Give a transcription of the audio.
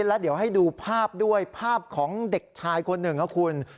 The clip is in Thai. แล้วเดี๋ยวให้ดูภาพด้วยภาพของเด็กชายคนหนึ่งครับคุณ